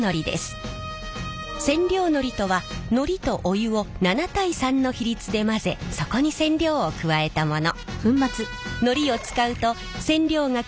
染料のりとはのりとお湯を７対３の比率で混ぜそこに染料を加えたもの。